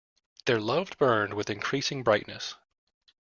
Their love burned with increasing brightness.